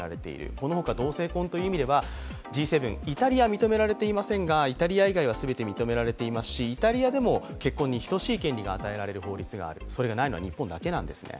このほか同性婚という意味ではイタリアは認められていませんがイタリア以外は認められていますしイタリアでもそれに等しいものが認められている、それがないのは日本だけなんですね。